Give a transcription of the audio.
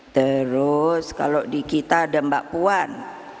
terus kalau di kita ada mbak puan